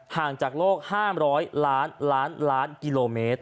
ห่างจากโลก๕๐๐ล้านล้านกิโลเมตร